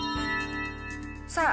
さあ